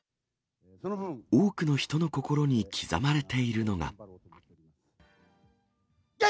多くの人の心に刻まれているのが。